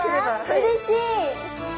うれしい！